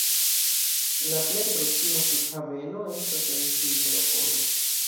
La plej proksima flughaveno estas en Simferopolo.